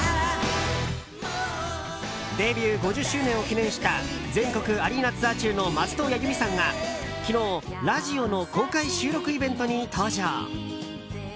デビュー５０周年を記念した全国アリーナツアー中の松任谷由実さんが昨日、ラジオの公開収録イベントに登場。